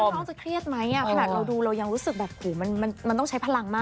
น้องจะเครียดไหมขนาดเราดูเรายังรู้สึกแบบหูมันต้องใช้พลังมาก